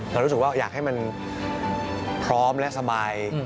เรารู้สึกว่าอยากให้มันพร้อมและสบาย